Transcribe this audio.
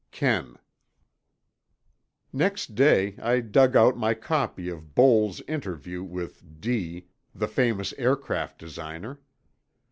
KEN Next day, I dug out my copy of Boal's interview with D———, the famous aircraft designer.